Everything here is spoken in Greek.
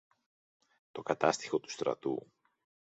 Το Κατάστιχο του Στρατού.